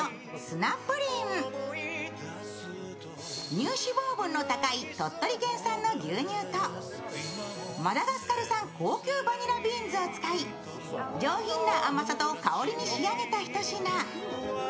乳脂肪分の高い鳥取県産の牛乳と、マダガスカル産高級バニラビーンズを使い上品な甘さと香りに仕上げたひと品。